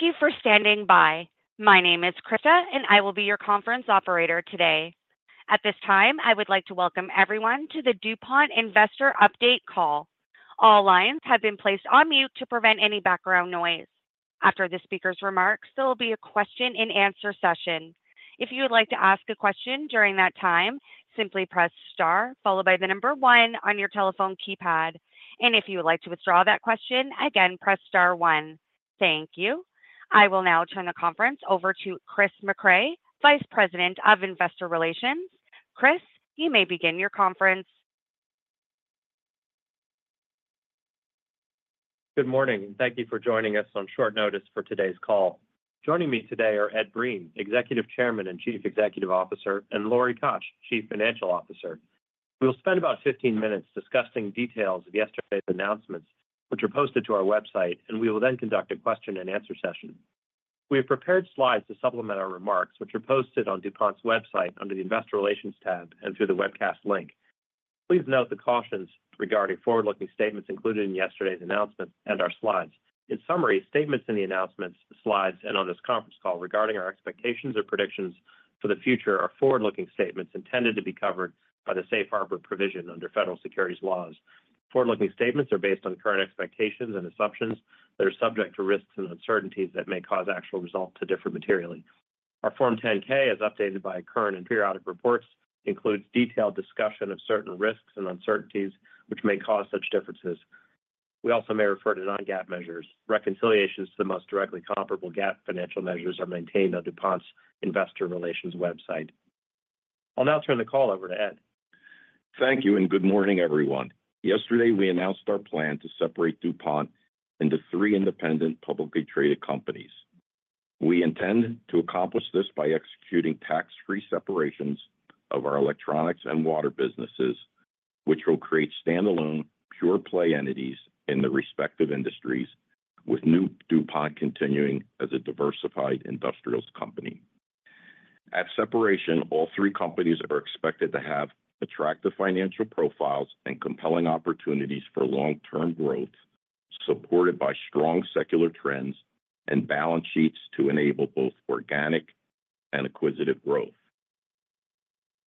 Thank you for standing by. My name is Krista, and I will be your conference operator today. At this time, I would like to welcome everyone to the DuPont Investor Update Call. All lines have been placed on mute to prevent any background noise. After the speaker's remarks, there will be a question-and-answer session. If you would like to ask a question during that time, simply press star, followed by the number one on your telephone keypad. And if you would like to withdraw that question, again, press star one. Thank you. I will now turn the conference over to Chris Mecray, Vice President of Investor Relations. Chris, you may begin your conference. Good morning, and thank you for joining us on short notice for today's call. Joining me today are Ed Breen, Executive Chairman and Chief Executive Officer, and Lori Koch, Chief Financial Officer. We'll spend about 15 minutes discussing details of yesterday's announcements, which are posted to our website, and we will then conduct a question-and-answer session. We have prepared slides to supplement our remarks, which are posted on DuPont's website under the Investor Relations tab and through the webcast link. Please note the cautions regarding forward-looking statements included in yesterday's announcement and our slides. In summary, statements in the announcements, the slides, and on this conference call regarding our expectations or predictions for the future are forward-looking statements intended to be covered by the safe harbor provision under federal securities laws. Forward-looking statements are based on current expectations and assumptions that are subject to risks and uncertainties that may cause actual results to differ materially. Our Form 10-K, as updated by current and periodic reports, includes detailed discussion of certain risks and uncertainties which may cause such differences. We also may refer to non-GAAP measures. Reconciliations to the most directly comparable GAAP financial measures are maintained on DuPont's Investor Relations website. I'll now turn the call over to Ed. Thank you, and good morning, everyone. Yesterday, we announced our plan to separate DuPont into three independent, publicly traded companies. We intend to accomplish this by executing tax-free separations of our electronics and water businesses, which will create standalone, pure-play entities in the respective industries, with New DuPont continuing as a diversified industrials company. At separation, all three companies are expected to have attractive financial profiles and compelling opportunities for long-term growth, supported by strong secular trends and balance sheets to enable both organic and acquisitive growth.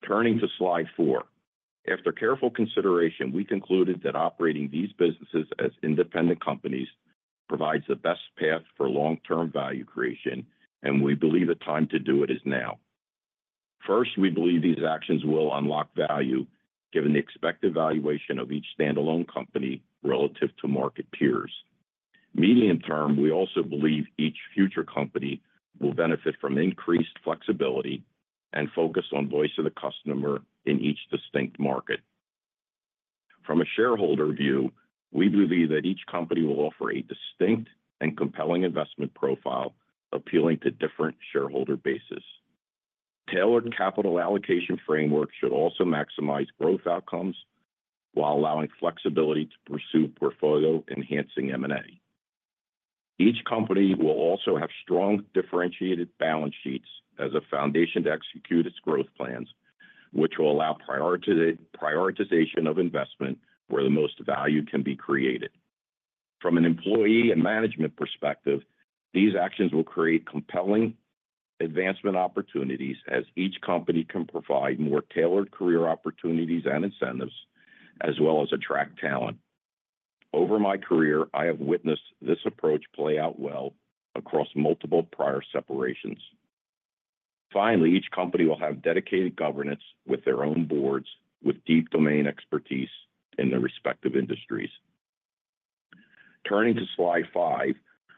Turning to slide four. After careful consideration, we concluded that operating these businesses as independent companies provides the best path for long-term value creation, and we believe the time to do it is now. First, we believe these actions will unlock value, given the expected valuation of each standalone company relative to market peers. Medium term, we also believe each future company will benefit from increased flexibility and focus on voice of the customer in each distinct market. From a shareholder view, we believe that each company will offer a distinct and compelling investment profile, appealing to different shareholder bases. Tailored capital allocation framework should also maximize growth outcomes while allowing flexibility to pursue portfolio-enhancing M&A. Each company will also have strong, differentiated balance sheets as a foundation to execute its growth plans, which will allow prioritization of investment where the most value can be created. From an employee and management perspective, these actions will create compelling advancement opportunities, as each company can provide more tailored career opportunities and incentives, as well as attract talent. Over my career, I have witnessed this approach play out well across multiple prior separations. Finally, each company will have dedicated governance with their own Boards, with deep domain expertise in their respective industries. Turning to slide 5,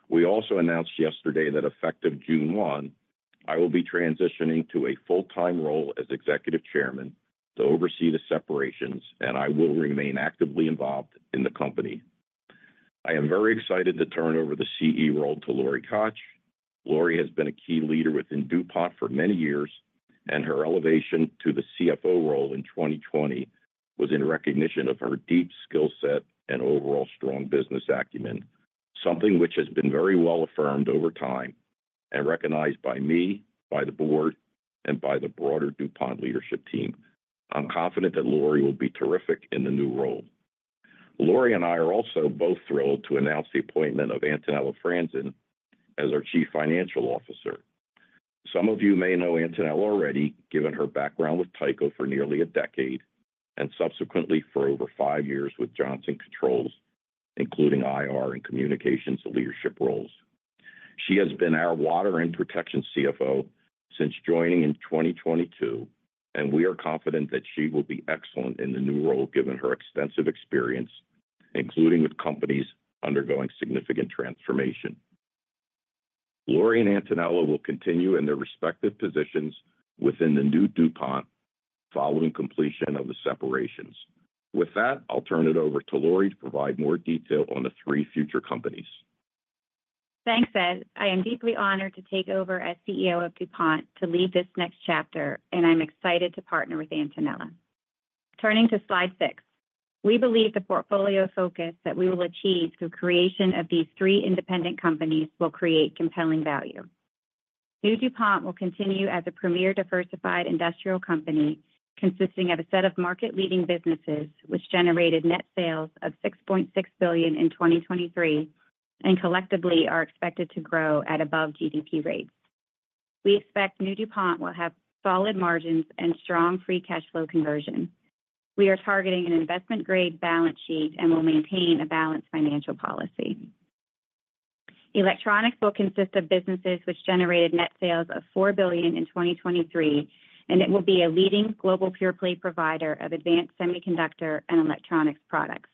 we also announced yesterday that effective June 1, I will be transitioning to a full-time role as Executive Chairman to oversee the separations, and I will remain actively involved in the company. I am very excited to turn over the CEO role to Lori Koch. Lori has been a key leader within DuPont for many years, and her elevation to the CFO role in 2020 was in recognition of her deep skill set and overall strong business acumen, something which has been very well affirmed over time and recognized by me, by the Board, and by the broader DuPont leadership team. I'm confident that Lori will be terrific in the new role. Lori and I are also both thrilled to announce the appointment of Antonella Franzen as our Chief Financial Officer. Some of you may know Antonella already, given her background with Tyco for nearly a decade and subsequently for over five years with Johnson Controls, including IR and communications leadership roles. She has been our Water and Protection CFO since joining in 2022, and we are confident that she will be excellent in the new role, given her extensive experience, including with companies undergoing significant transformation. Lori and Antonella will continue in their respective positions within the New DuPont following completion of the separations. With that, I'll turn it over to Lori to provide more detail on the three future companies. Thanks, Ed. I am deeply honored to take over as CEO of DuPont to lead this next chapter, and I'm excited to partner with Antonella. Turning to slide six. We believe the portfolio focus that we will achieve through creation of these three independent companies will create compelling value. New DuPont will continue as a premier diversified industrial company, consisting of a set of market-leading businesses, which generated net sales of $6.6 billion in 2023, and collectively are expected to grow at above GDP rates. We expect New DuPont will have solid margins and strong free cash flow conversion. We are targeting an investment-grade balance sheet and will maintain a balanced financial policy. Electronics will consist of businesses which generated net sales of $4 billion in 2023, and it will be a leading global pure-play provider of advanced semiconductor and electronics products.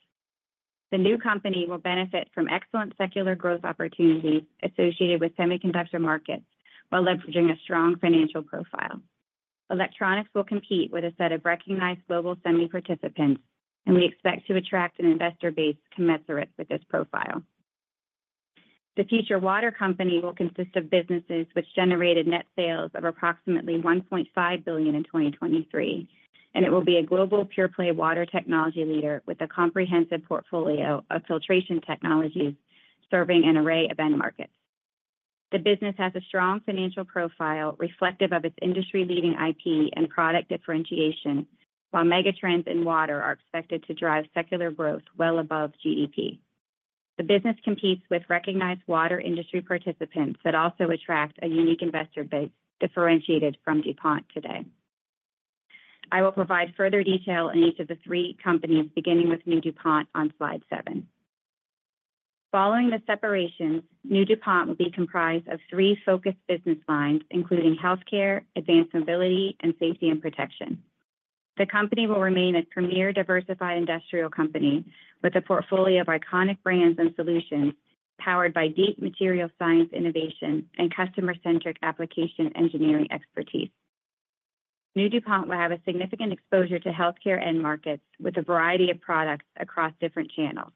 The new company will benefit from excellent secular growth opportunities associated with semiconductor markets, while leveraging a strong financial profile. Electronics will compete with a set of recognized global semi participants, and we expect to attract an investor base commensurate with this profile. The future water company will consist of businesses which generated net sales of approximately $1.5 billion in 2023, and it will be a global pure-play water technology leader with a comprehensive portfolio of filtration technologies serving an array of end markets. The business has a strong financial profile, reflective of its industry-leading IP and product differentiation, while megatrends in water are expected to drive secular growth well above GDP. The business competes with recognized water industry participants that also attract a unique investor base differentiated from DuPont today. I will provide further detail in each of the three companies, beginning with New DuPont on slide 7. Following the separation, New DuPont will be comprised of three focused business lines, including healthcare, advanced mobility, and safety and protection. The company will remain a premier diversified industrial company with a portfolio of iconic brands and solutions powered by deep material science innovation and customer-centric application engineering expertise. New DuPont will have a significant exposure to healthcare end markets with a variety of products across different channels.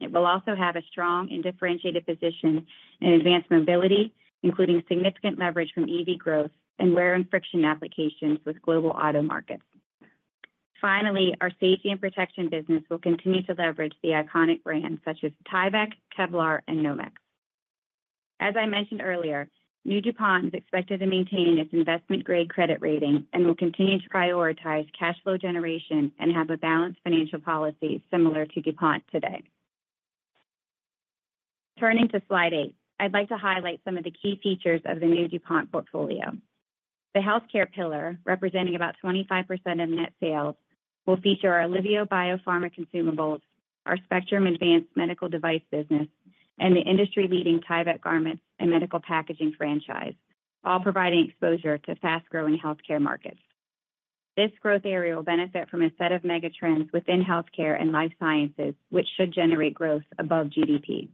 It will also have a strong and differentiated position in advanced mobility, including significant leverage from EV growth and wear and friction applications with global auto markets. Finally, our safety and protection business will continue to leverage the iconic brands such as Tyvek, Kevlar, and Nomex. As I mentioned earlier, New DuPont is expected to maintain its investment-grade credit rating and will continue to prioritize cash flow generation and have a balanced financial policy similar to DuPont today. Turning to slide eight, I'd like to highlight some of the key features of the New DuPont portfolio. The healthcare pillar, representing about 25% of net sales, will feature our Liveo biopharma consumables, our Spectrum Advanced Medical Device business, and the industry-leading Tyvek garments and medical packaging franchise, all providing exposure to fast-growing healthcare markets. This growth area will benefit from a set of megatrends within healthcare and life sciences, which should generate growth above GDP.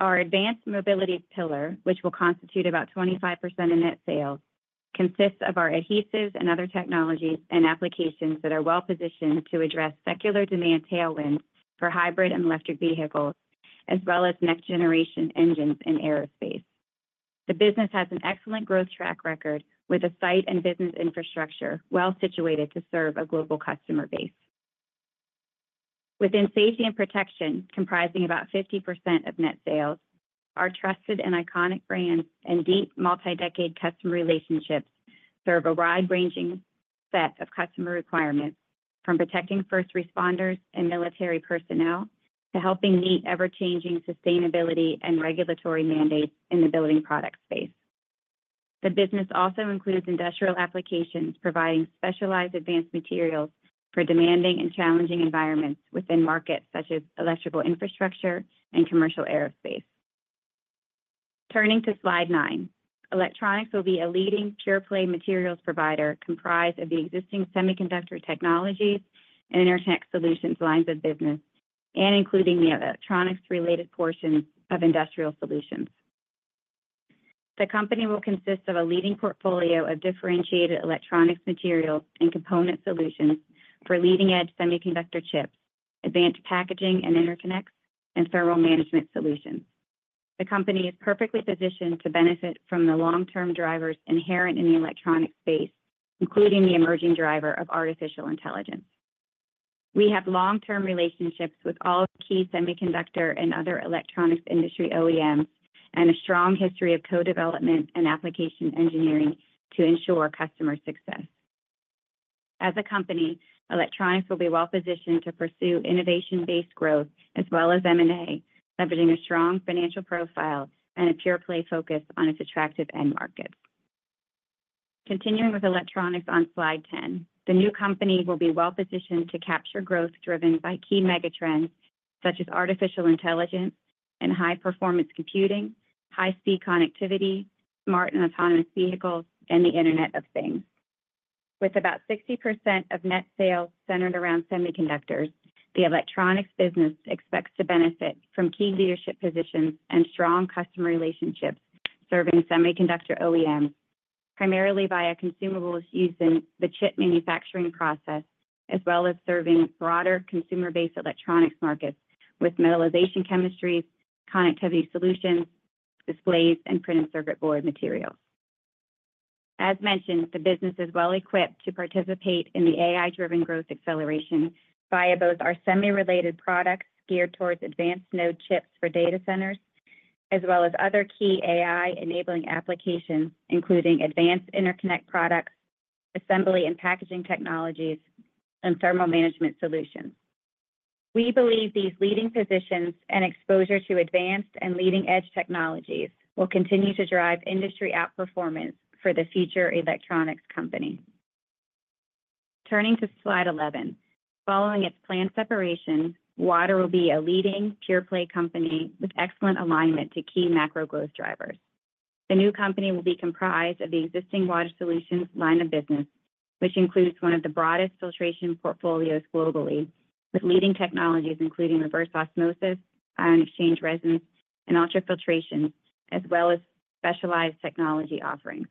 Our advanced mobility pillar, which will constitute about 25% of net sales, consists of our adhesives and other technologies and applications that are well positioned to address secular demand tailwinds for hybrid and electric vehicles, as well as next-generation engines and aerospace. The business has an excellent growth track record, with a site and business infrastructure well situated to serve a global customer base. Within safety and protection, comprising about 50% of net sales, our trusted and iconic brands and deep, multi-decade customer relationships serve a wide-ranging set of customer requirements, from protecting first responders and military personnel to helping meet ever-changing sustainability and regulatory mandates in the building product space. The business also includes industrial applications, providing specialized advanced materials for demanding and challenging environments within markets such as electrical infrastructure and commercial aerospace. Turning to slide 9, Electronics will be a leading pure-play materials provider comprised of the existing semiconductor technologies and interconnect solutions lines of business, and including the electronics-related portion of industrial solutions. The company will consist of a leading portfolio of differentiated electronics materials and component solutions for leading-edge semiconductor chips, advanced packaging and interconnects, and thermal management solutions. The company is perfectly positioned to benefit from the long-term drivers inherent in the electronic space, including the emerging driver of artificial intelligence. We have long-term relationships with all key semiconductor and other electronics industry OEMs, and a strong history of co-development and application engineering to ensure customer success. As a company, Electronics will be well positioned to pursue innovation-based growth as well as M&A, leveraging a strong financial profile and a pure-play focus on its attractive end markets. Continuing with electronics on slide 10, the new company will be well positioned to capture growth driven by key megatrends such as artificial intelligence and high-performance computing, high-speed connectivity, smart and autonomous vehicles, and the Internet of Things. With about 60% of net sales centered around semiconductors, the electronics business expects to benefit from key leadership positions and strong customer relationships serving semiconductor OEMs, primarily via consumables used in the chip manufacturing process, as well as serving broader consumer-based electronics markets with metallization chemistries, connectivity solutions, displays, and printed circuit board materials. As mentioned, the business is well-equipped to participate in the AI-driven growth acceleration via both our semi-related products geared towards advanced node chips for data centers, as well as other key AI-enabling applications, including advanced interconnect products, assembly and packaging technologies, and thermal management solutions. We believe these leading positions and exposure to advanced and leading-edge technologies will continue to drive industry outperformance for the future electronics company. Turning to slide 11, following its planned separation, Water will be a leading pure-play company with excellent alignment to key macro growth drivers. The new company will be comprised of the existing Water Solutions line of business, which includes one of the broadest filtration portfolios globally, with leading technologies including reverse osmosis, ion exchange resins, and ultrafiltration, as well as specialized technology offerings.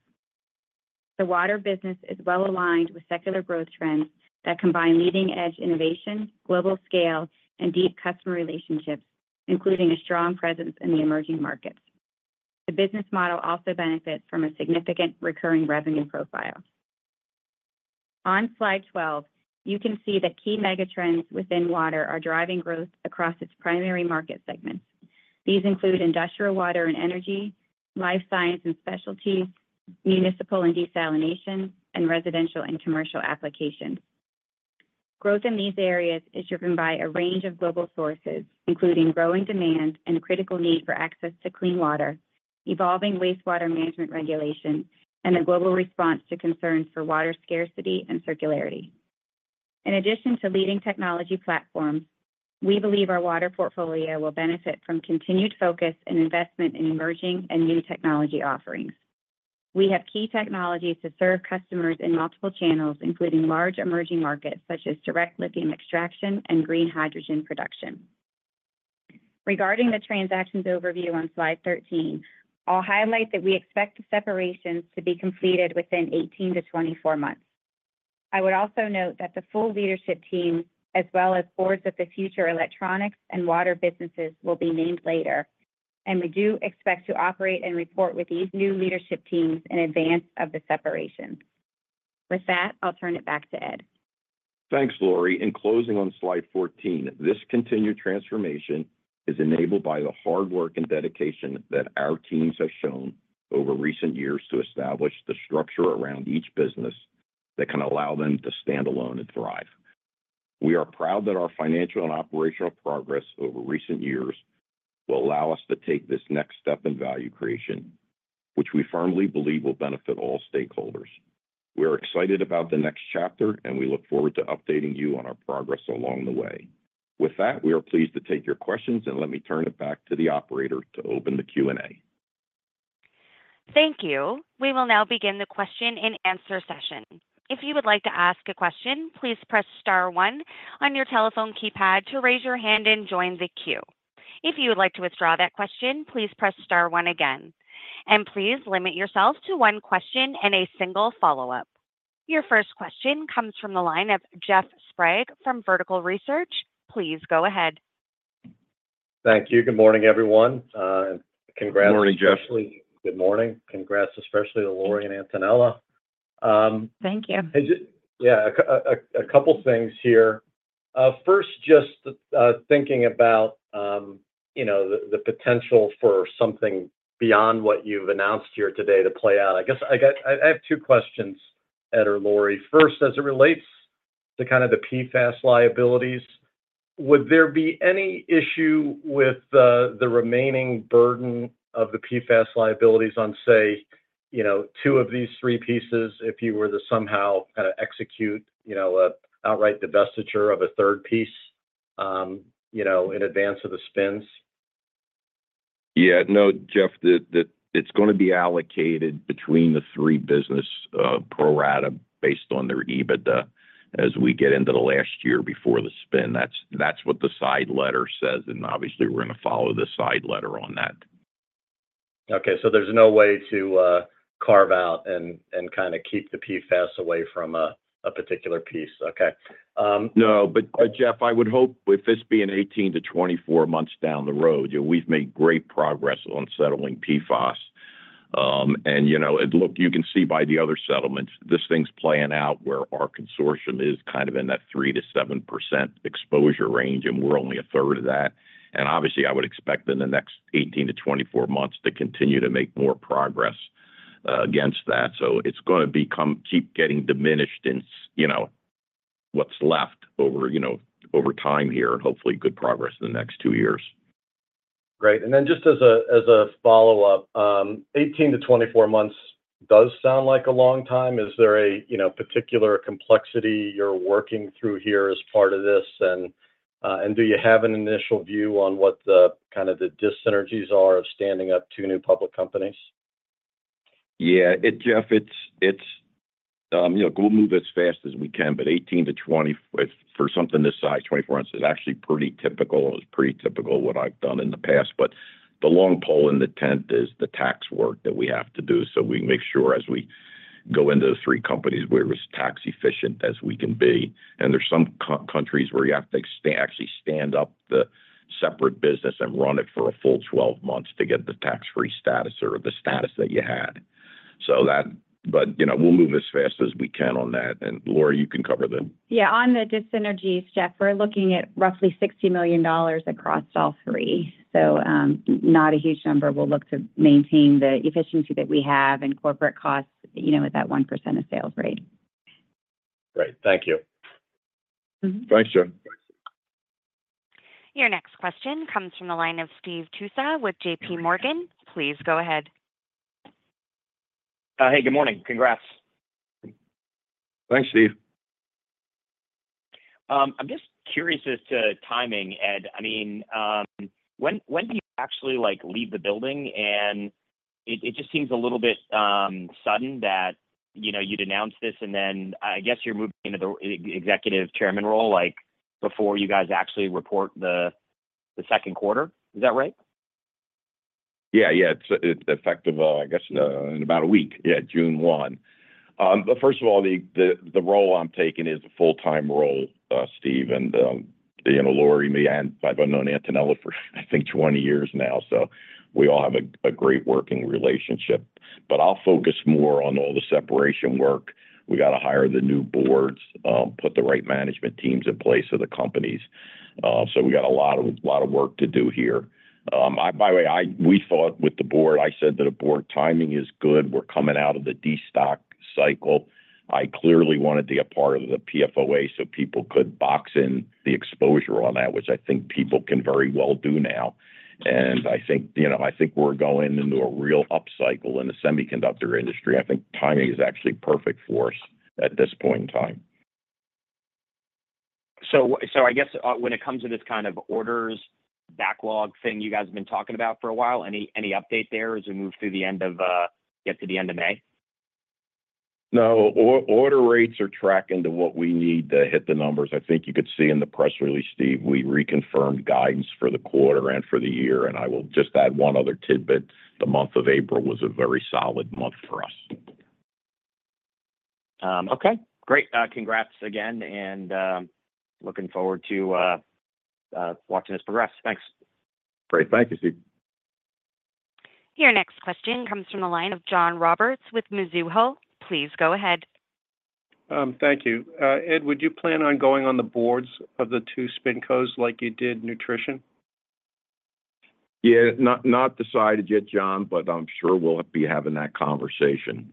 The water business is well aligned with secular growth trends that combine leading-edge innovation, global scale, and deep customer relationships, including a strong presence in the emerging markets. The business model also benefits from a significant recurring revenue profile. On slide 12, you can see that key megatrends within water are driving growth across its primary market segments. These include industrial water and energy, life science and specialty, municipal and desalination, and residential and commercial applications. Growth in these areas is driven by a range of global sources, including growing demand and a critical need for access to clean water, evolving wastewater management regulation, and a global response to concerns for water scarcity and circularity. In addition to leading technology platforms, we believe our water portfolio will benefit from continued focus and investment in emerging and new technology offerings. We have key technologies to serve customers in multiple channels, including large emerging markets such as direct lithium extraction and green hydrogen production. Regarding the transactions overview on slide 13, I'll highlight that we expect the separations to be completed within 18-24 months. I would also note that the full leadership team, as well as boards of the future electronics and water businesses, will be named later, and we do expect to operate and report with these new leadership teams in advance of the separation. With that, I'll turn it back to Ed. Thanks, Lori. In closing, on slide 14, this continued transformation is enabled by the hard work and dedication that our teams have shown over recent years to establish the structure around each business that can allow them to stand alone and thrive. We are proud that our financial and operational progress over recent years will allow us to take this next step in value creation, which we firmly believe will benefit all stakeholders. We are excited about the next chapter, and we look forward to updating you on our progress along the way. With that, we are pleased to take your questions, and let me turn it back to the operator to open the Q&A. Thank you. We will now begin the question-and-answer session. If you would like to ask a question, please press * 1 on your telephone keypad to raise your hand and join the queue. If you would like to withdraw that question, please press * 1 again, and please limit yourself to one question and a single follow-up. Your first question comes from the line of Jeff Sprague from Vertical Research. Please go ahead. Thank you. Good morning, everyone. Congrats- Good morning, Jeff. Good morning. Congrats, especially to Lori and Antonella. Thank you. Yeah, a couple things here. First, just thinking about, you know, the potential for something beyond what you've announced here today to play out. I guess I got—I have two questions, Ed or Lori. First, as it relates to kind of the PFAS liabilities, would there be any issue with the remaining burden of the PFAS liabilities on, say, you know, two of these three pieces if you were to somehow kind of execute, you know, a outright divestiture of a third piece, you know, in advance of the spins? Yeah. No, Jeff, It's gonna be allocated between the three business, pro rata, based on their EBITDA, as we get into the last year before the spin. That's, that's what the side letter says, and obviously, we're gonna follow the side letter on that. Okay. So, there's no way to carve out and kind of keep the PFAS away from a particular piece. Okay. No, but, but, Jeff, I would hope with this being 18-24 months down the road, you know, we've made great progress on settling PFAS. And, you know, and look, you can see by the other settlements, this thing's playing out where our consortium is kind of in that 3%-7% exposure range, and we're only a third of that. And obviously, I would expect in the next 18-24 months to continue to make more progress, against that. So, it's gonna become, keep getting diminished, you know, what's left over, you know, over time here, and hopefully good progress in the next two years. Great. And then just as a follow-up, 18-24 months does sound like a long time. Is there a, you know, particular complexity you're working through here as part of this? And do you have an initial view on what the, kind of the dis-synergies are of standing up two new public companies? Yeah. It's, Jeff, it's... You know, we'll move as fast as we can, but 18-20, for something this size, 24 months, is actually pretty typical. It's pretty typical what I've done in the past. But the long pole in the tent is the tax work that we have to do, so, we can make sure as we go into the three companies, we're as tax efficient as we can be. And there's some countries where you have to actually stand up the separate business and run it for a full 12 months to get the tax-free status or the status that you had. So, that. But, you know, we'll move as fast as we can on that. And, Lori, you can cover the- Yeah, on the dissynergies, Jeff, we're looking at roughly $60 million across all three, so, not a huge number. We'll look to maintain the efficiency that we have and corporate costs, you know, at that 1% of sales rate. Great. Thank you. Thanks, Jeff. Your next question comes from the line of Steve Tusa with J.P. Morgan. Please go ahead. Hey, good morning. Congrats. Thanks, Steve. I'm just curious as to timing, Ed. I mean, when do you actually, like, leave the building? And it just seems a little bit sudden that, you know, you'd announce this, and then I guess you're moving into the executive chairman role, like, before you guys actually report the second quarter. Is that right? Yeah, yeah. It's effective, I guess, in about a week. Yeah, June 1. But first of all, the role I'm taking is a full-time role, Steve, and you know, Lori, me, and I've known Antonella for, I think, 20 years now, so, we all have a great working relationship. But I'll focus more on all the separation work. We gotta hire the new boards, put the right management teams in place of the companies. So, we got a lot of work to do here. By the way, we thought with the board, I said that a board timing is good. We're coming out of the destock cycle. I clearly wanted to be a part of the PFOA so people could box in the exposure on that, which I think people can very well do now. I think, you know, I think we're going into a real upcycle in the semiconductor industry. I think timing is actually perfect for us at this point in time. So, I guess, when it comes to this kind of orders backlog thing you guys have been talking about for a while, any update there as we move through the end of, get to the end of May? No, order rates are tracking to what we need to hit the numbers. I think you could see in the press release, Steve, we reconfirmed guidance for the quarter and for the year, and I will just add one other tidbit. The month of April was a very solid month for us. Okay. Great. Congrats again, and looking forward to watching this progress. Thanks. Great. Thank you, Steve. Your next question comes from the line of John Roberts with Mizuho. Please go ahead. Thank you. Ed, would you plan on going on the boards of the two SpinCos like you did Nutrition? Yeah. Not, not decided yet, John, but I'm sure we'll be having that conversation.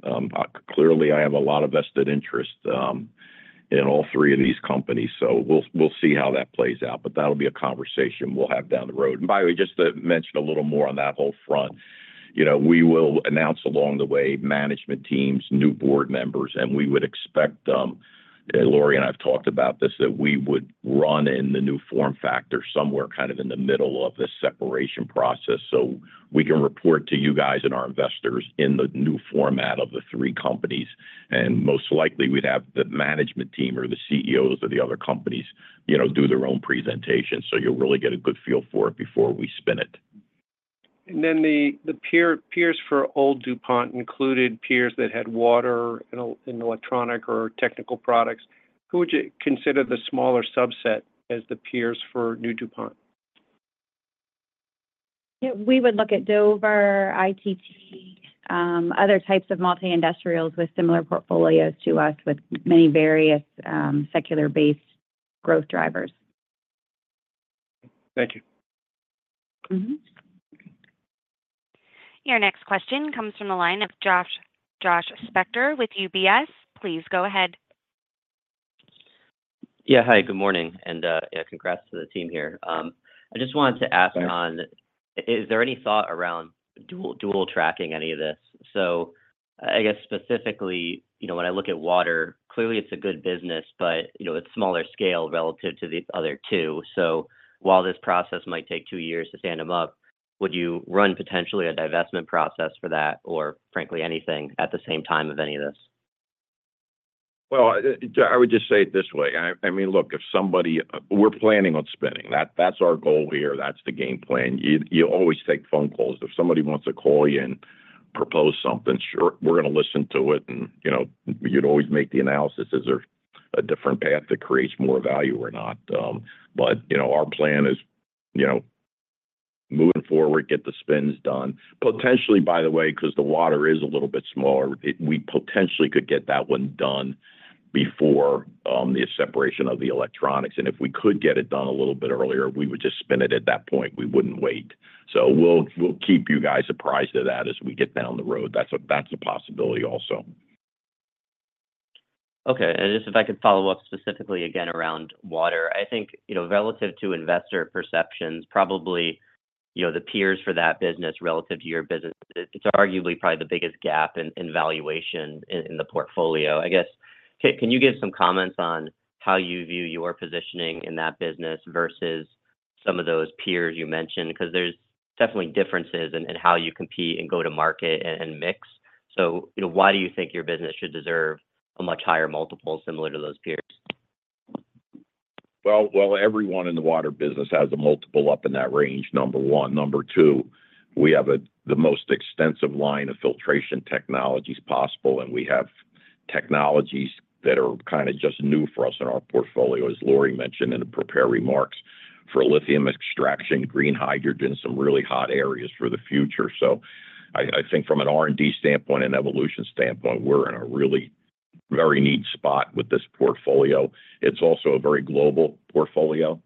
Clearly, I have a lot of vested interest in all three of these companies, so, we'll see how that plays out, but that'll be a conversation we'll have down the road. And by the way, just to mention a little more on that whole front, you know, we will announce along the way, management teams, new board members, and we would expect, Lori and I have talked about this, that we would run in the new form factor somewhere kind of in the middle of this separation process, so, we can report to you guys and our investors in the new format of the three companies. Most likely, we'd have the management team or the CEOs of the other companies, you know, do their own presentation, so you'll really get a good feel for it before we spin it. Then the peers for old DuPont included peers that had water and electronic or technical products. Who would you consider the smaller subset as the peers for New DuPont? Yeah, we would look at Dover, ITT, other types of multi-industrials with similar portfolios to us, with many various, secular-based growth drivers. Thank you. Mm-hmm. Your next question comes from the line of Josh Spector with UBS. Please go ahead. Yeah, hi, good morning, and yeah, congrats to the team here. I just wanted to ask- Sure ...on, is there any thought around dual, dual tracking any of this? So, I guess specifically, you know, when I look at water, clearly, it's a good business, but, you know, it's smaller scale relative to the other two. So, while this process might take 2 years to stand them up, would you run potentially a divestment process for that, or frankly, anything at the same time of any of this? Well, I would just say it this way, I mean, look, if somebody—we're planning on spinning. That's our goal here. That's the game plan. You always take phone calls. If somebody wants to call you and propose something, sure, we're gonna listen to it, and, you know, you'd always make the analysis, is there a different path that creates more value or not? But, you know, our plan is, you know, moving forward, get the spins done. Potentially, by the way, 'cause the water is a little bit smaller, it—we potentially could get that one done before the separation of the electronics. And if we could get it done a little bit earlier, we would just spin it at that point. We wouldn't wait. So, we'll keep you guys apprised of that as we get down the road. That's a possibility also. Okay. And just if I could follow up specifically again around water. I think, you know, relative to investor perceptions, probably, you know, the peers for that business relative to your business, it's arguably probably the biggest gap in valuation in the portfolio. I guess, can you give some comments on how you view your positioning in that business versus some of those peers you mentioned? 'Cause there's definitely differences in how you compete and go to market and mix. So, you know, why do you think your business should deserve a much higher multiple similar to those peers? Well, well, everyone in the water business has a multiple up in that range, number one. Number two, we have the most extensive line of filtration technologies possible, and we have technologies that are kind of just new for us in our portfolio, as Lori mentioned in the prepared remarks, for lithium extraction, green hydrogen, some really hot areas for the future. So, I think from an R&D standpoint and evolution standpoint, we're in a really very neat spot with this portfolio. It's also a very global portfolio.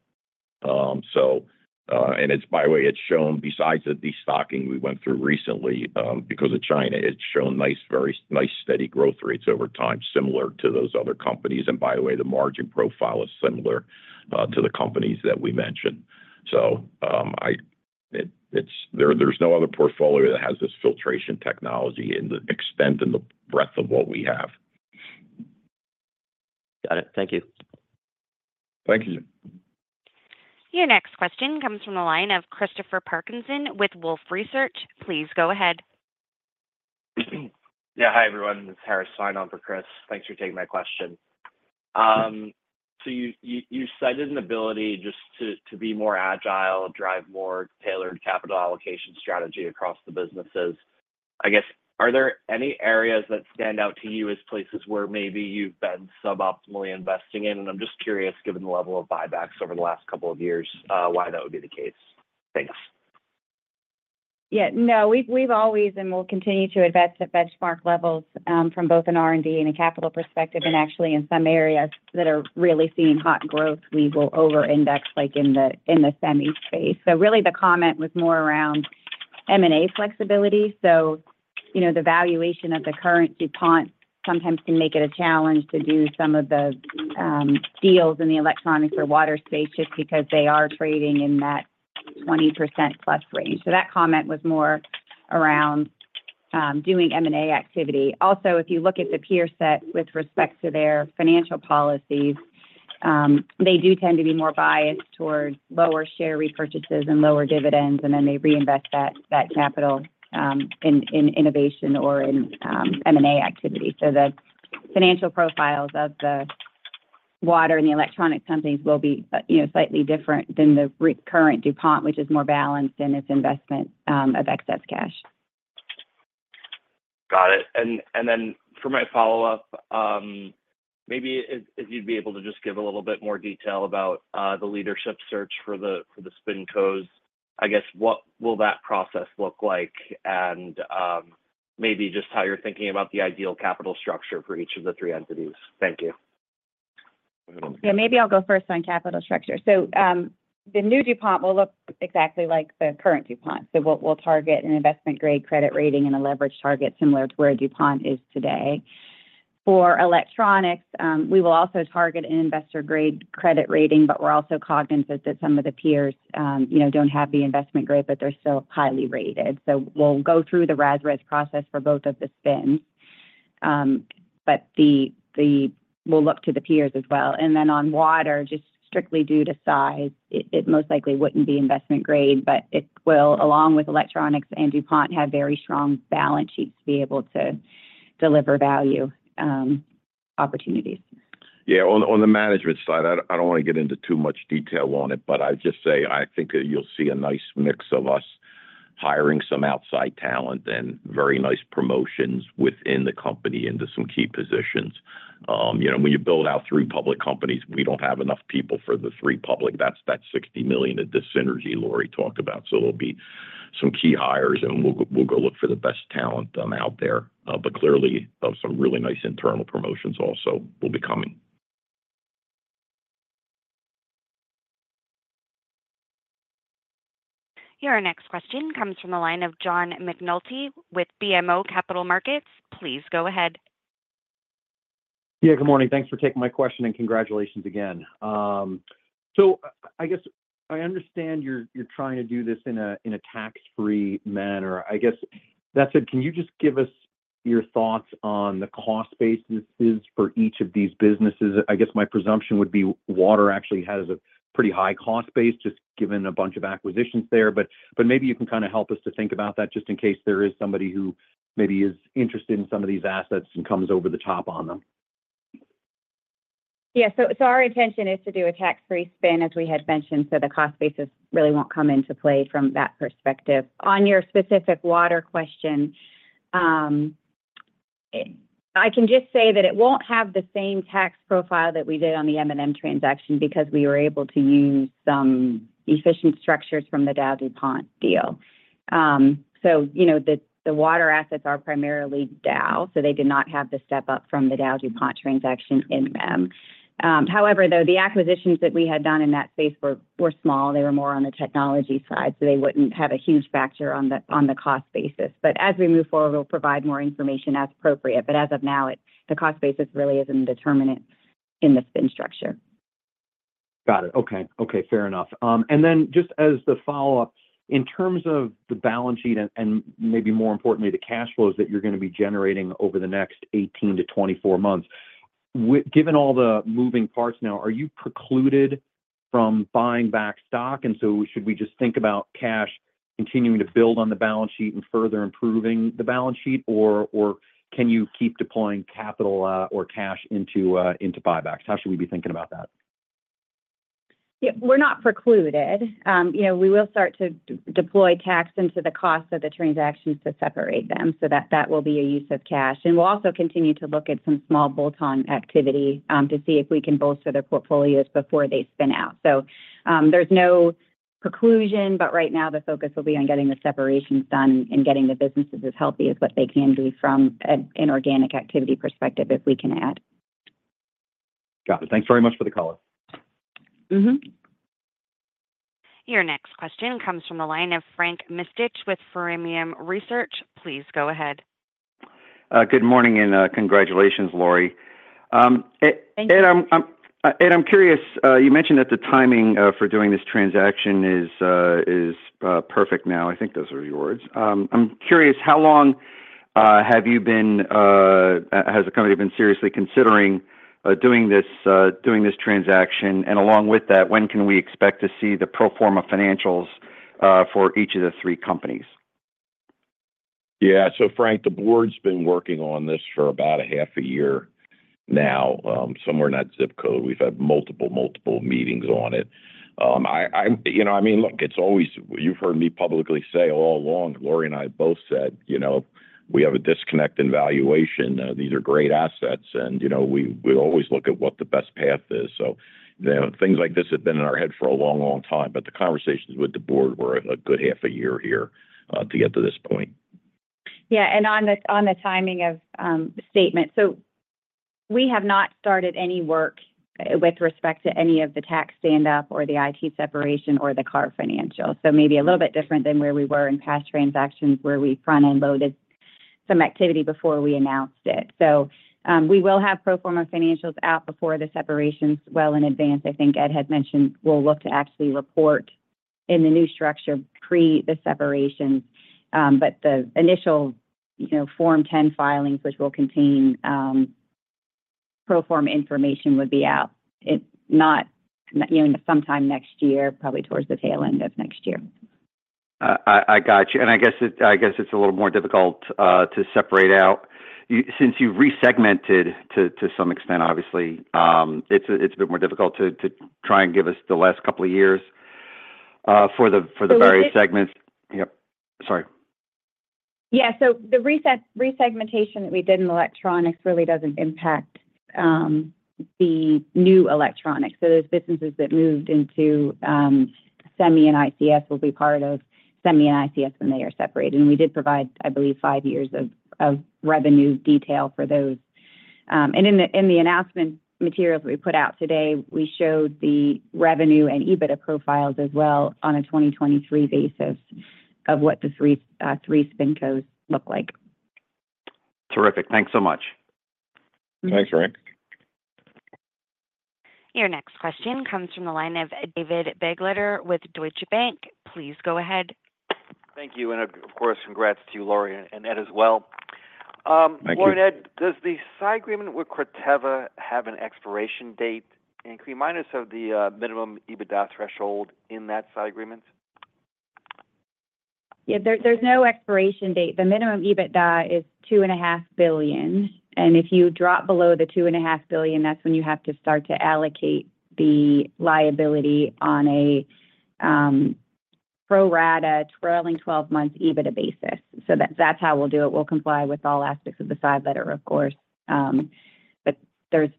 And it's, by the way, shown, besides the destocking we went through recently, because of China, shown nice, very nice, steady growth rates over time, similar to those other companies. And by the way, the margin profile is similar to the companies that we mentioned. So, there's no other portfolio that has this filtration technology in the extent and the breadth of what we have. Got it. Thank you. Thank you. Your next question comes from the line of Christopher Parkinson with Wolfe Research. Please go ahead. Yeah. Hi, everyone, it's Harris signed on for Chris. Thanks for taking my question. So, you cited an ability just to be more agile, drive more tailored capital allocation strategy across the businesses. I guess, are there any areas that stand out to you as places where maybe you've been sub optimally investing in? And I'm just curious, given the level of buybacks over the last couple of years, why that would be the case? Thanks. Yeah. No, we've always and will continue to invest at benchmark levels from both an R&D and a capital perspective, and actually in some areas that are really seeing hot growth, we will over-index, like in the semi space. So really the comment was more around M&A flexibility. So, you know, the valuation of the current DuPont sometimes can make it a challenge to do some of the deals in the electronics or water space, just because they are trading in that 20%+ range. So that comment was more around doing M&A activity. Also, if you look at the peer set with respect to their financial policies, they do tend to be more biased towards lower share repurchases and lower dividends, and then they reinvest that capital in innovation or in M&A activity. So, the financial profiles of the water and the electronic companies will be, you know, slightly different than the current DuPont, which is more balanced in its investment of excess cash. Got it. And, and then for my follow-up, maybe if, if you'd be able to just give a little bit more detail about, the leadership search for the, for the SpinCos. I guess, what will that process look like? And maybe just how you're thinking about the ideal capital structure for each of the three entities. Thank you. Yeah, maybe I'll go first on capital structure. So, the New DuPont will look exactly like the current DuPont. So, we'll target an investment-grade credit rating and a leverage target similar to where DuPont is today. For electronics, we will also target an investment-grade credit rating, but we're also cognizant that some of the peers, you know, don't have the investment grade, but they're still highly rated. So, we'll go through the rating process for both of the spins. But we'll look to the peers as well. And then on water, just strictly due to size, it most likely wouldn't be investment grade, but it will, along with electronics and DuPont, have very strong balance sheets to be able to deliver value opportunities. Yeah. On the management side, I don't want to get into too much detail on it, but I'd just say I think you'll see a nice mix of us hiring some outside talent and very nice promotions within the company into some key positions. You know, when you build out three public companies, we don't have enough people for the three public. That's that $60 million of dissynergy Lori talked about. So, there'll be some key hires, and we'll go look for the best talent out there. But clearly, some really nice internal promotions also will be coming. Your next question comes from the line of John McNulty with BMO Capital Markets. Please go ahead. Yeah, good morning. Thanks for taking my question, and congratulations again. So, I guess I understand you're trying to do this in a tax-free manner. I guess, that said, can you just give us your thoughts on the cost bases for each of these businesses? I guess my presumption would be water actually has a pretty high-cost base, just given a bunch of acquisitions there. But maybe you can kind of help us to think about that, just in case there is somebody who maybe is interested in some of these assets and comes over the top on them. Yeah. So, our intention is to do a tax-free spin, as we had mentioned, so the cost basis really won't come into play from that perspective. On your specific water question, I can just say that it won't have the same tax profile that we did on the M&M transaction because we were able to use some efficient structures from the DowDuPont deal. So, you know, the, the water assets are primarily Dow, so they did not have the step up from the DowDuPont transaction in them. However, though, the acquisitions that we had done in that space were, were small, they were more on the technology side, so they wouldn't have a huge factor on the, on the cost basis. But as we move forward, we'll provide more information as appropriate. But as of now, the cost basis really isn't a determinant in the spin structure. Got it. Okay. Okay, fair enough. And then just as the follow-up, in terms of the balance sheet and, and maybe more importantly, the cash flows that you're going to be generating over the next 18-24 months, given all the moving parts now, are you precluded from buying back stock? And so, should we just think about cash continuing to build on the balance sheet and further improving the balance sheet, or can you keep deploying capital, or cash into buybacks? How should we be thinking about that? ... Yeah, we're not precluded. You know, we will start to deploy cash into the cost of the transactions to separate them, so that will be a use of cash. And we'll also continue to look at some small bolt-on activity, to see if we can bolster their portfolios before they spin out. So, there's no preclusion, but right now the focus will be on getting the separations done and getting the businesses as healthy as what they can be from an inorganic activity perspective, if we can add. Got it. Thanks very much for the call. Mm-hmm. Your next question comes from the line of Frank Mitsch with Fermium Research. Please go ahead. Good morning, and congratulations, Lori. Thank you. Ed, I'm curious, you mentioned that the timing for doing this transaction is perfect now. I think those are your words. I'm curious: How long has the company been seriously considering doing this transaction? And along with that, when can we expect to see the pro forma financials for each of the three companies? Yeah. So, Frank, the board's been working on this for about a half a year now, somewhere in that zip code. We've had multiple, multiple meetings on it. You know, I mean, look, it's always. You've heard me publicly say all along, Lori and I both said, you know, we have a disconnect in valuation. These are great assets, and, you know, we always look at what the best path is. So, you know, things like this have been in our head for a long, long time, but the conversations with the board were a good half a year here, to get to this point. Yeah, and on the timing of the statement, so, we have not started any work with respect to any of the tax stand-up or the IT separation or the carve-out financial. So maybe a little bit different than where we were in past transactions, where we front-end loaded some activity before we announced it. So, we will have pro forma financials out before the separations well in advance. I think Ed had mentioned we'll look to actually report in the new structure pre the separations. But the initial, you know, Form 10 filings, which will contain pro forma information, would be out, not, you know, sometime next year, probably towards the tail end of next year. I got you. And I guess it's a little more difficult to separate out. Since you've resegmented to some extent, obviously, it's a bit more difficult to try and give us the last couple of years for the various segments. So, we did. Yep. Sorry. Yeah. So, the re-segmentation that we did in electronics really doesn't impact the New Electronics. So, those businesses that moved into Semi and ICS will be part of Semi and ICS when they are separated. And we did provide, I believe, 5 years of revenue detail for those. And in the announcement materials we put out today, we showed the revenue and EBITDA profiles as well on a 2023 basis of what the three SpinCos look like. Terrific. Thanks so much. Mm-hmm. Thanks, Frank. Your next question comes from the line of David Begleiter with Deutsche Bank. Please go ahead. Thank you, and of course, congrats to you, Lori, and Ed as well. Thank you. Lori and Ed, does the side agreement with Corteva have an expiration date? And can you remind us of the minimum EBITDA threshold in that side agreement? Yeah. There's no expiration date. The minimum EBITDA is $2.5 billion, and if you drop below the $2.5 billion, that's when you have to start to allocate the liability on a pro rata trailing twelve months EBITDA basis. So, that's how we'll do it. We'll comply with all aspects of the side letter, of course, but there's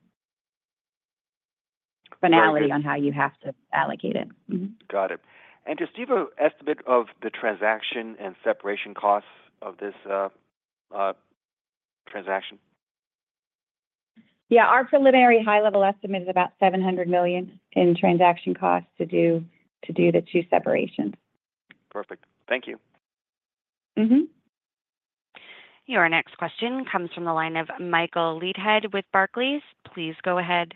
finality- Got it... on how you have to allocate it. Mm-hmm. Got it. Do you have an estimate of the transaction and separation costs of this transaction? Yeah. Our preliminary high-level estimate is about $700 million in transaction costs to do the two separations. Perfect. Thank you. Mm-hmm. Your next question comes from the line of Michael Leithead with Barclays. Please go ahead.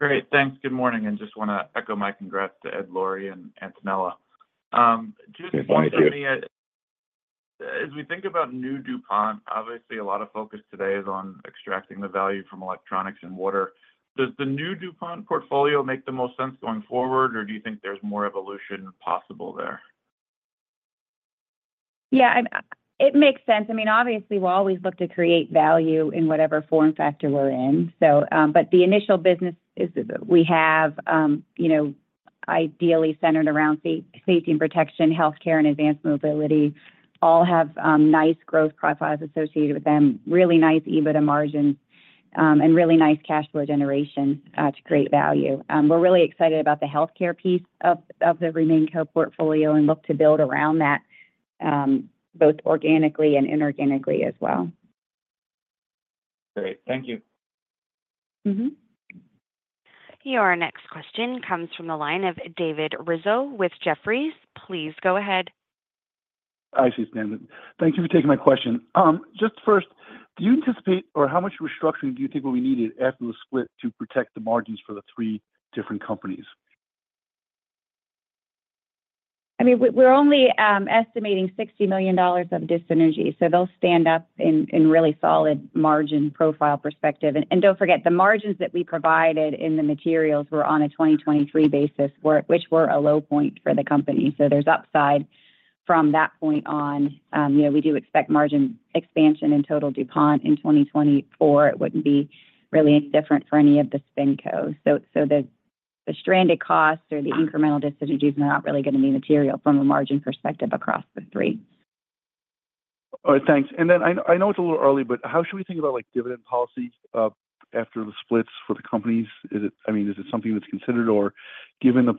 Great. Thanks. Good morning, and just wanna echo my congrats to Ed, Lori, and Antonella. Just- Thank you... as we think about new DuPont, obviously a lot of focus today is on extracting the value from electronics and water. Does the New DuPont portfolio make the most sense going forward, or do you think there's more evolution possible there? Yeah, it makes sense. I mean, obviously, we'll always look to create value in whatever form factor we're in. So, but the initial business is that we have, you know, ideally centered around safety and protection, healthcare, and advanced mobility. All have nice growth profiles associated with them, really nice EBITDA margins, and really nice cash flow generation to create value. We're really excited about the healthcare piece of the RemainCo portfolio and look to build around that, both organically and inorganically as well. Great. Thank you. Mm-hmm. Your next question comes from the line of David Rizzo with Jefferies. Please go ahead. Hi Krista. Thank you for taking my question. Just first, do you anticipate or how much restructuring do you think will be needed after the split to protect the margins for the three different companies? I mean, we're only estimating $60 million of dissynergy, so they'll stand up in really solid margin profile perspective. And don't forget, the margins that we provided in the materials were on a 2023 basis, which were a low point for the company, so there's upside... from that point on, you know, we do expect margin expansion in total DuPont in 2024. It wouldn't be really any different for any of the spin cos. So, the stranded costs or the incremental dis-synergies are not really gonna be material from a margin perspective across the three. All right, thanks. And then I know it's a little early, but how should we think about, like, dividend policy after the splits for the companies? Is it—I mean, is it something that's considered, or given the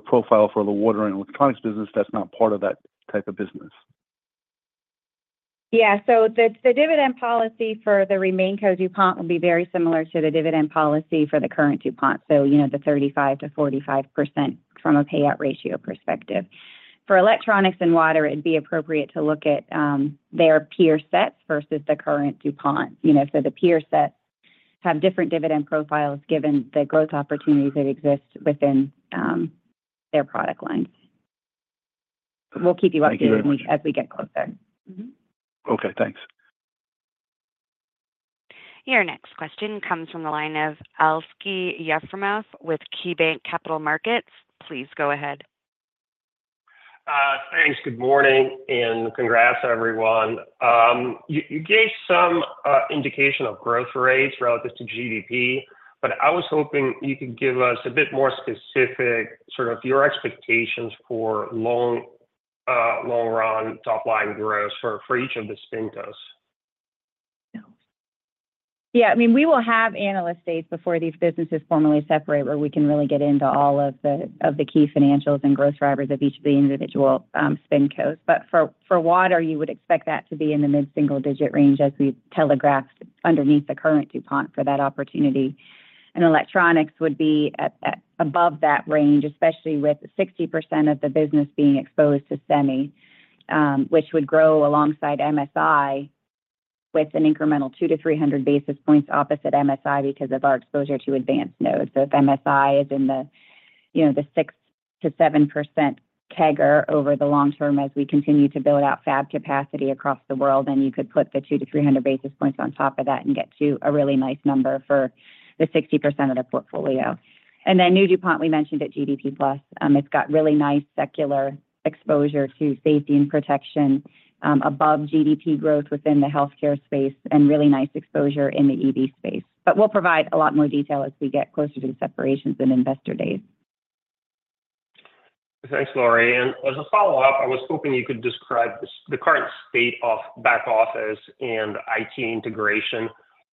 profile for the water and electronics business, that's not part of that type of business? Yeah. So, the dividend policy for the RemainCo DuPont will be very similar to the dividend policy for the current DuPont, so, you know, the 35%-45% from a payout ratio perspective. For electronics and water, it'd be appropriate to look at their peer sets versus the current DuPont. You know, so the peer sets have different dividend profiles, given the growth opportunities that exist within their product lines. We'll keep you updated- Thank you. As we get closer. Mm-hmm. Okay, thanks. Your next question comes from the line of Aleksey Yefremov with KeyBank Capital Markets. Please go ahead. Thanks. Good morning, and congrats, everyone. You gave some indication of growth rates relative to GDP, but I was hoping you could give us a bit more specific, sort of your expectations for long-run top-line growth for each of the spincos. Yeah, I mean, we will have analyst days before these businesses formally separate, where we can really get into all of the, of the key financials and growth drivers of each of the individual spincos. But for, for water, you would expect that to be in the mid-single-digit range, as we telegraphed underneath the current DuPont for that opportunity. And electronics would be at, at, above that range, especially with 60% of the business being exposed to semi, which would grow alongside MSI, with an incremental 200-300 basis points opposite MSI because of our exposure to advanced nodes. So, if MSI is in the, you know, the 6%-7% CAGR over the long term as we continue to build out fab capacity across the world, then you could put the 200-300 basis points on top of that and get to a really nice number for the 60% of the portfolio. Then New DuPont, we mentioned at GDP plus. It's got really nice secular exposure to safety and protection, above GDP growth within the healthcare space, and really nice exposure in the EV space. But we'll provide a lot more detail as we get closer to the separations and investor days. Thanks, Lori. And as a follow-up, I was hoping you could describe the current state of back office and IT integration.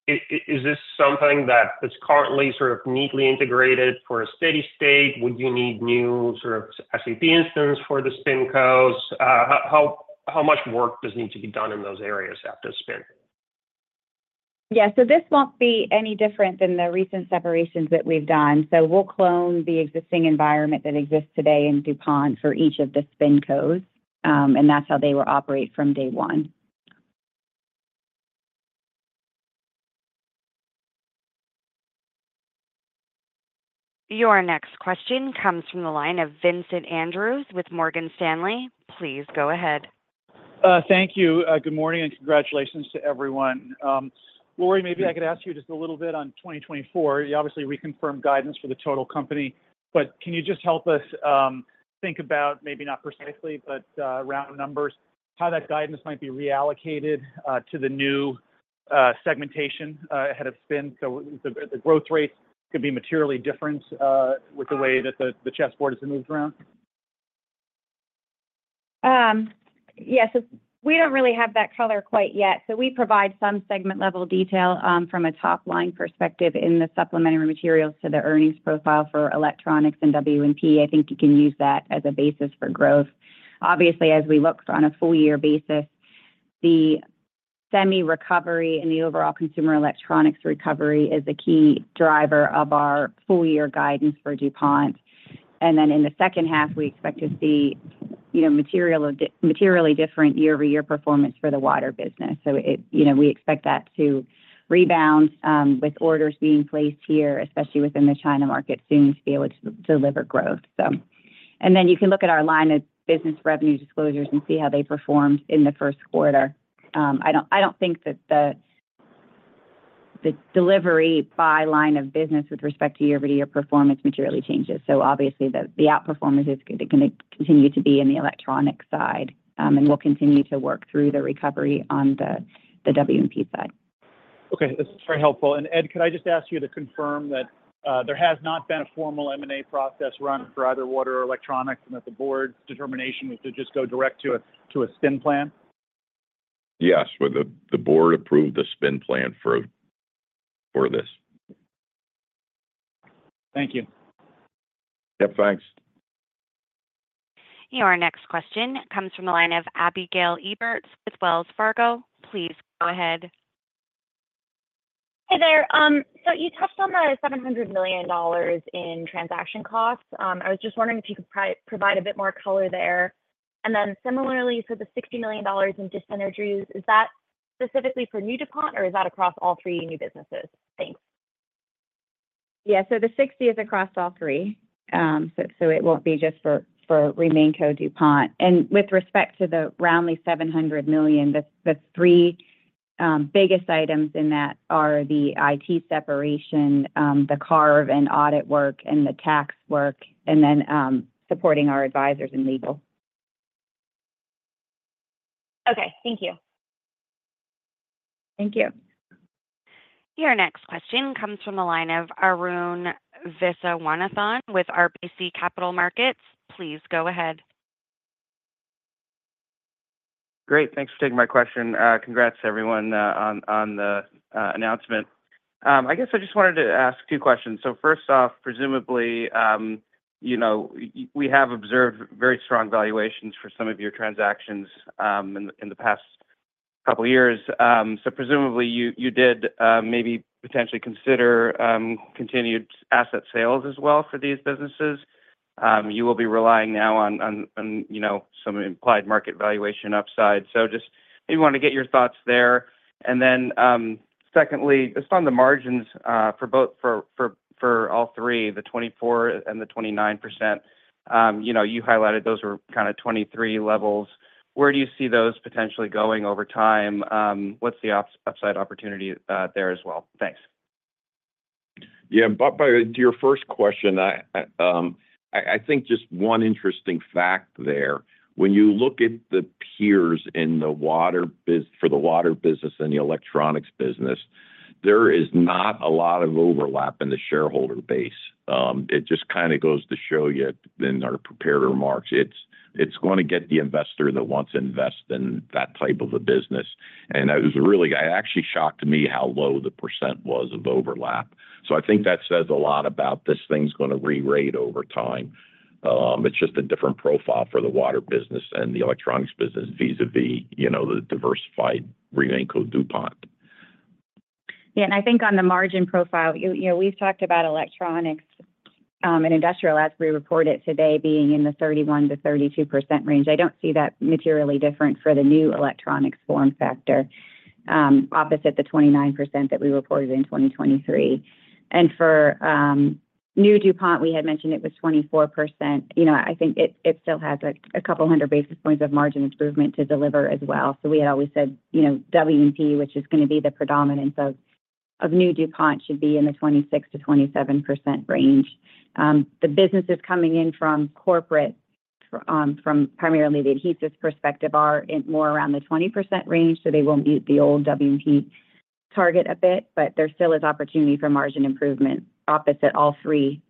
Is this something that is currently sort of neatly integrated for a steady state? Would you need new sort of SAP instance for the spin coz? How much work does need to be done in those areas after the spin? Yeah, so this won't be any different than the recent separations that we've done. So, we'll clone the existing environment that exists today in DuPont for each of the spinoffs, and that's how they will operate from day one. Your next question comes from the line of Vincent Andrews with Morgan Stanley. Please go ahead. Thank you. Good morning, and congratulations to everyone. Lori, maybe I could ask you just a little bit on 2024. You obviously reconfirmed guidance for the total company, but can you just help us think about, maybe not precisely, but round numbers, how that guidance might be reallocated to the new segmentation ahead of spin? So, the growth rate could be materially different with the way that the chessboard has been moved around. Yes. So, we don't really have that color quite yet. So, we provide some segment-level detail from a top-line perspective in the supplementary materials to the earnings profile for electronics and W&P. I think you can use that as a basis for growth. Obviously, as we look on a full year basis, the semi recovery and the overall consumer electronics recovery is a key driver of our full year guidance for DuPont. And then in the second half, we expect to see, you know, materially different year-over-year performance for the water business. You know, we expect that to rebound with orders being placed here, especially within the China market, soon to be able to deliver growth. And then you can look at our line of business revenue disclosures and see how they performed in the first quarter. I don't think that the delivery by line of business with respect to year-over-year performance materially changes. So obviously, the outperformance is gonna continue to be in the electronic side, and we'll continue to work through the recovery on the W&P side. Okay. This is very helpful. Ed, could I just ask you to confirm that there has not been a formal M&A process run for either water or electronics, and that the board's determination was to just go direct to a spin plan? Yes, well, the board approved the spin plan for this. Thank you. Yep, thanks. Your next question comes from the line of Abigail Ebert with Wells Fargo. Please go ahead. Hey there. So, you touched on the $700 million in transaction costs. I was just wondering if you could provide a bit more color there. And then similarly, so the $60 million in dissynergies, is that specifically for New DuPont, or is that across all three new businesses? Thanks. Yeah. So, the $60 million is across all three. So, it won't be just for RemainCo DuPont. And with respect to the roundly $700 million, the three biggest items in that are the IT separation, the carve and audit work, and the tax work, and then supporting our advisors and legal. Okay, thank you. Thank you. Your next question comes from the line of Arun Viswanathan with RBC Capital Markets. Please go ahead. Great. Thanks for taking my question. Congrats everyone on the announcement. I guess I just wanted to ask two questions. So, first off, presumably, you know, we have observed very strong valuations for some of your transactions in the past couple years. So, presumably, you did maybe potentially consider continued asset sales as well for these businesses. You will be relying now on you know, some implied market valuation upside. So, just maybe want to get your thoughts there. And then, secondly, just on the margins for all three, the 24% and the 29%, you know, you highlighted those were kind of '23 levels. Where do you see those potentially going over time? What's the upside opportunity there as well? Thanks. Yeah, but to your first question, I think just one interesting fact there, when you look at the peers in the water business and the electronics business, there is not a lot of overlap in the shareholder base. It just kind of goes to show you in our prepared remarks, it's gonna get the investor that wants to invest in that type of a business. And it was really. It actually shocked me how low the percent was of overlap. So, I think that says a lot about this thing's gonna re-rate over time. It's just a different profile for the water business and the electronics business, vis-a-vis, you know, the diversified RemainingCo DuPont. Yeah, and I think on the margin profile, you know, we've talked about Electronics and Industrial, as we reported today, being in the 31%-32% range. I don't see that materially different for the New Electronics form factor, opposite the 29% that we reported in 2023. And for New DuPont, we had mentioned it was 24%. You know, I think it still has a couple hundred basis points of margin improvement to deliver as well. So, we had always said, you know, W&P, which is gonna be the predominance of New DuPont, should be in the 26%-27% range. The businesses coming in from corporate, from primarily the adhesives perspective, are in more around the 20% range, so they won't meet the old W&P target a bit, but there still is opportunity for margin improvement opposite all three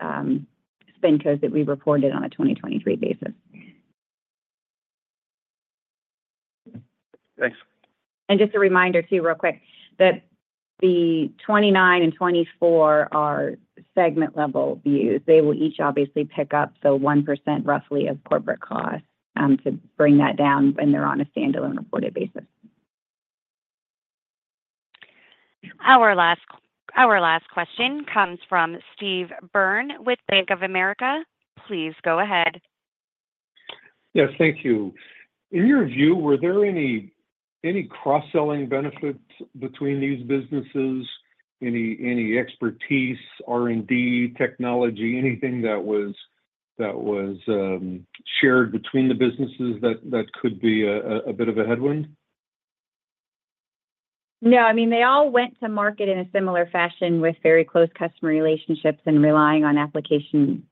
SpinCos that we reported on a 2023 basis. Thanks. Just a reminder, too, real quick, that the 29 and 24 are segment-level views. They will each obviously pick up the 1%, roughly, of corporate costs to bring that down when they're on a standalone reported basis. Our last question comes from Steve Byrne with Bank of America. Please go ahead. Yes, thank you. In your view, were there any, any cross-selling benefits between these businesses? Any, any expertise, R&D, technology, anything that was, that was, shared between the businesses that, that could be a, a, a bit of a headwind? No, I mean, they all went to market in a similar fashion with very close customer relationships and relying on application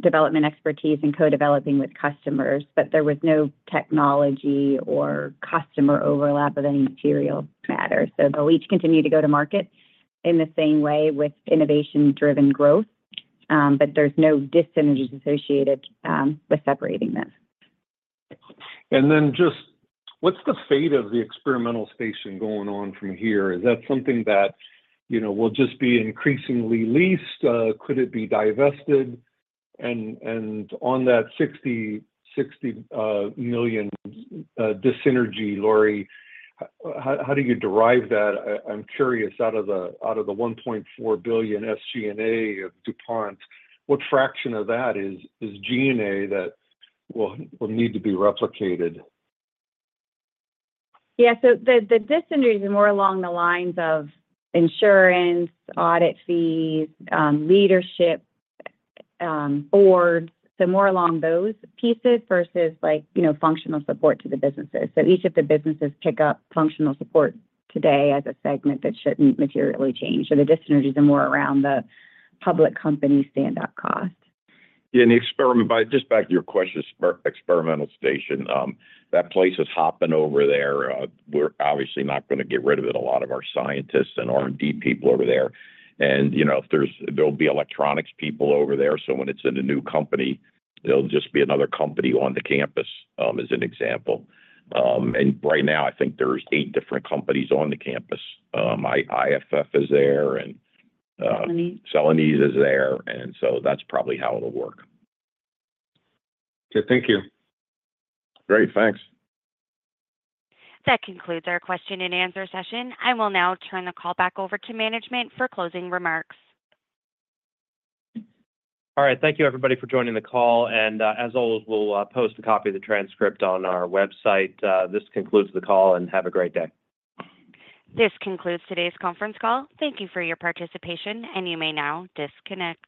development expertise and co-developing with customers, but there was no technology or customer overlap of any material matter. So, they'll each continue to go to market in the same way with innovation-driven growth, but there's no dissynergies associated with separating this. And then just what's the fate of the Experimental Station going on from here? Is that something that, you know, will just be increasingly leased? Could it be divested? And on that $60 million dissynergy, Lori, how do you derive that? I'm curious, out of the $1.4 billion SG&A of DuPont, what fraction of that is G&A that will need to be replicated? Yeah, so, the dissynergies are more along the lines of insurance, audit fees, leadership, boards, so more along those pieces versus like, you know, functional support to the businesses. So, each of the businesses pick up functional support today as a segment that shouldn't materially change. So, the dissynergies are more around the public company standalone cost. Yeah, and the experimental station, that place is hopping over there. We're obviously not gonna get rid of it, a lot of our scientists and R&D people over there. And, you know, if there's, there'll be electronics people over there, so when it's in a new company, it'll just be another company on the campus, as an example. And right now, I think there's eight different companies on the campus. IFF is there, and Celanese. Celanese is there, and so that's probably how it'll work. Okay. Thank you. Great. Thanks. That concludes our question-and-answer session. I will now turn the call back over to management for closing remarks. All right. Thank you, everybody, for joining the call, and, as always, we'll post a copy of the transcript on our website. This concludes the call, and have a great day. This concludes today's conference call. Thank you for your participation, and you may now disconnect.